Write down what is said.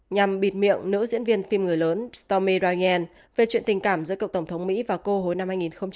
nhằm bịt miệng nữ diễn viên phim người lớn stormy ryan về chuyện tình cảm giữa cậu tổng thống mỹ và cô hồi năm hai nghìn sáu